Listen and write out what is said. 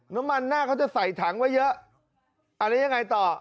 น้ำมันหน้าเขาจะใส่ถังไว้เยอะอ่าแล้วยังไงต่อ